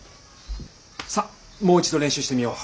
さあもう一度練習してみよう。